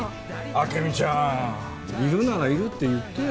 明深ちゃんいるならいるって言ってよ。